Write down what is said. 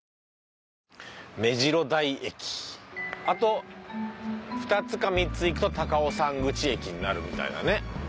あと２つか３つ行くと高尾山口駅になるみたいだね。